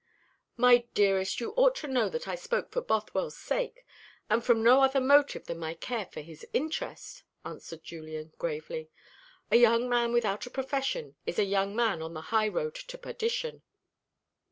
"My dearest, you ought to know that I spoke for Bothwell's sake, and from no other motive than my care for his interest," answered Julian gravely. "A young man without a profession is a young man on the high road to perdition."